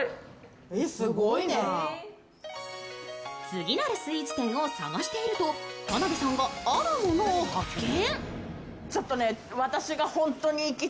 次なるスイーツ店を探していると、田辺さんが、あるものを発見。